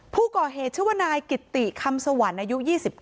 ผู้ก่อเหตุชื่อว่านายกิตติคำสวรรค์อายุ๒๙